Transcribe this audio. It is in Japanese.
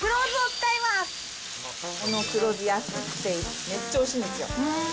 この黒酢、安くてめっちゃおいしいんですよ。